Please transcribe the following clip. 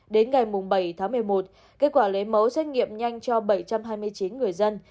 đến ngày bảy tháng một mươi một kết quả lấy mẫu xét nghiệm nhanh cho bảy trăm hai mươi chín người dân